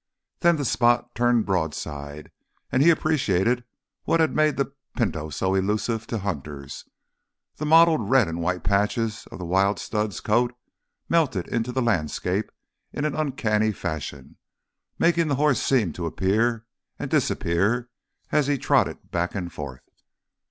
Then the spot turned broadside and he appreciated what had made the Pinto so elusive to hunters. The mottled red and white patches of the wild stud's coat melted into the landscape in an uncanny fashion, making the horse seem to appear and disappear as he trotted back and forth.